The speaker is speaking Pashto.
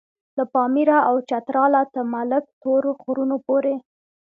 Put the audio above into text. له پاميره او چتراله تر ملک تور غرونو پورې.